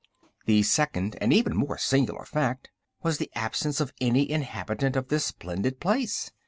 The second and even more singular fact was the absence of any inhabitant of this splendid place.